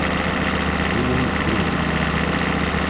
Willie Green